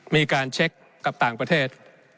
มีการเช็คกับต่างประเทศ